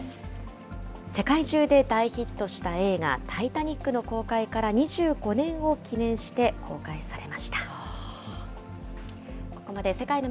世界中で大ヒットした映画、タイタニックの公開から２５年を記念して公開されました。